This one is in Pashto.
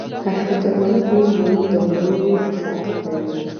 حشمت الملک لوی معین د غرو لقب لري.